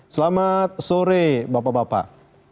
selamat sore bapak bapak